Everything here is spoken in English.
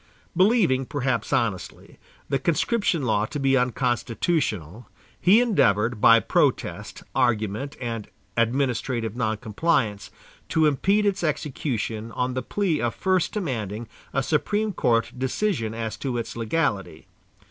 Believing perhaps honestly the conscription law to be unconstitutional, he endeavored, by protest, argument and administrative non compliance, to impede its execution on the plea of first demanding a Supreme Court decision as to its legality.